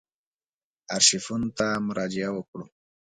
آرشیفونو ته مراجعه وکړو.